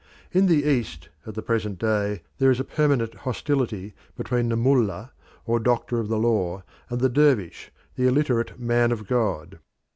In the East at the present day there is a permanent hostility between the Mullah, or doctor of the law, and the dervish, or illiterate "man of God."